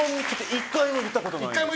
１回も行ったことない。